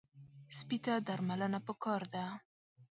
سپي ته درملنه پکار ده.